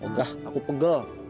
oh gah aku pegel